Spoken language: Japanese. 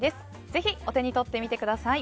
ぜひ、お手に取ってみてください。